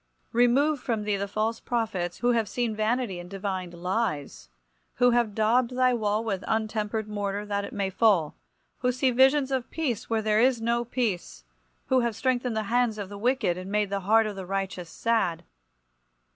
Remove from thee the false prophets, who have seen vanity and divined lies; who have daubed thy wall with untempered mortar, that it may fall; who see visions of peace where there is no peace; who have strengthened the hands of the wicked, and made the heart of the righteous sad.